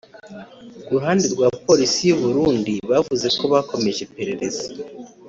Ku ruhande rwa Polisi y’u Burundi bavuze ko bakomeje iperereza